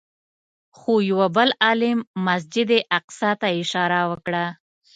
خو یوه بل عالم مسجد اقصی ته اشاره وکړه.